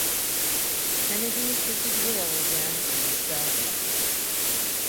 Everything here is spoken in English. Kennedy kisses Willow again and the spell ends.